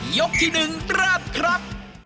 ยกที่๑เริ่มครับ